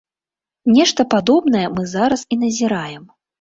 Нешта падобнае мы зараз і назіраем.